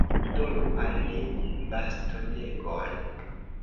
Donu al li bastonegon.